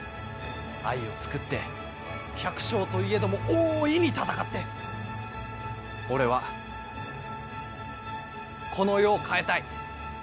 藍を作って百姓といえども大いに戦って俺はこの世を変えたい。